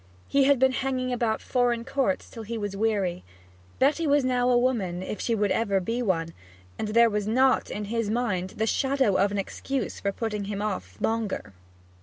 He had been hanging about foreign courts till he was weary. Betty was now as woman, if she would ever be one, and there was not, in his mind, the shadow of an excuse for putting him off longer.